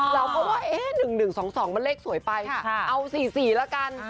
เราก็ว่า๑๑๒๒มันเลขสวยไปเอา๔๔แล้วกัน